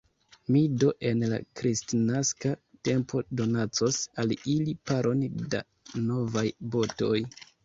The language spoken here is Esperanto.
Mi do en la kristnaska tempo donacos al ili paron da novaj botoj.